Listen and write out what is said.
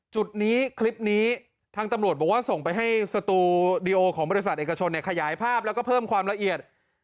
จุดนี้คลิปนี้ทางตำรวจบอกว่าส่งไปให้สตูดิโอของบริษัทเอกชนเนี่ย